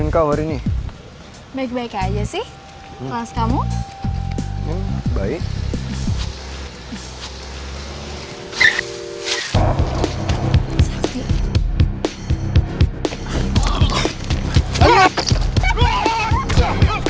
yang kepalanya berasep liat alina deket deket sama sakti